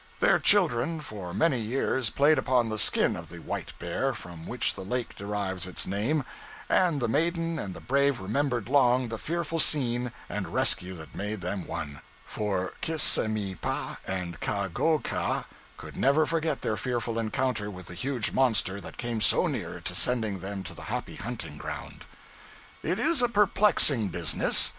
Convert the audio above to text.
Their children for many years played upon the skin of the white bear from which the lake derives its name and the maiden and the brave remembered long the fearful scene and rescue that made them one, for Kis se me pa and Ka go ka could never forget their fearful encounter with the huge monster that came so near sending them to the happy hunting ground. It is a perplexing business.